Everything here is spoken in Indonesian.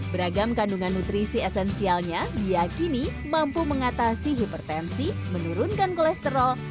beragam kandungan nutrisi esensialnya diakini mampu mengatasi hipertensi menurunkan kolesterol